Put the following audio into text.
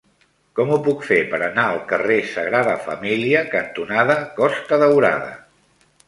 Com ho puc fer per anar al carrer Sagrada Família cantonada Costa Daurada?